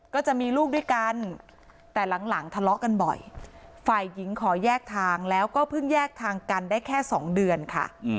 ก็จะมีลูกด้วยกันแต่หลังทะเลาะกันบ่อยฝ่ายหญิงขอแยกทางแล้วก็เพิ่งแยกทางกันได้แค่๒เดือนค่ะ